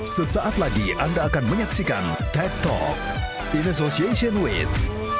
sesaat lagi anda akan menyaksikan tech talk in association with